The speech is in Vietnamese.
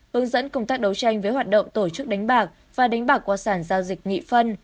hướng dẫn công tác đấu tranh với hoạt động tổ chức đánh bạc và đánh bạc qua sản giao dịch nghị phân